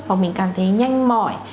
hoặc mình cảm thấy nhanh mỏi